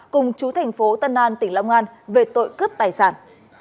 cùng chú thành phố tân an tỉnh long an về tội cướp tài sản